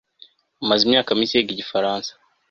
amaze imyaka mike yiga igifaransa